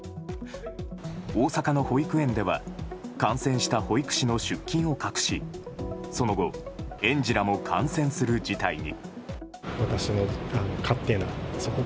大阪の保育園では感染した保育士の出勤を隠しその後、園児らも感染する事態に。